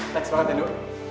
thanks banget ya du